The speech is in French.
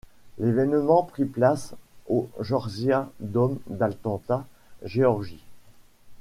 L'évènement prit place au Georgia Dome d'Atlanta, Géorgie.